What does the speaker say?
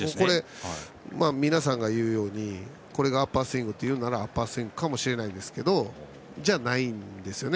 皆さんが言うようにこれがアッパースイングならアッパースイングだと思いますがそうではないんですよね。